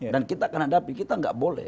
dan kita akan hadapi kita nggak boleh